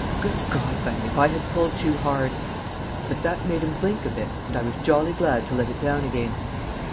Good God, Bunny, if I had pulled too hard! But that made him blink a bit, and I was jolly glad to let it down again.